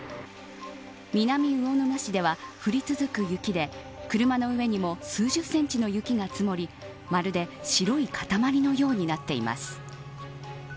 南魚沼市では降り続く雪で、車の上にも数十センチの雪が積もりまるで白い塊のようになっています。